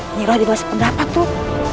ini lah dibawah pendapat tuh